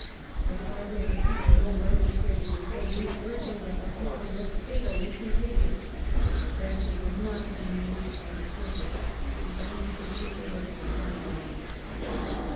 The Car dinal de Tournon remonstrated in vain, urging that the fever was fatally contagious. But Francis was not to be moved from his pur pose; he entered the chamber of his son alone.